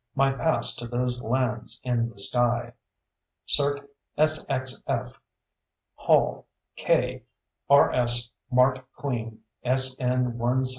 My pass to those lands in the sky. CERT SXF HALL, K. RS MART QUEEN SN1775690.